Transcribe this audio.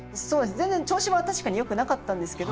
全然調子は確かによくなかったんですけど。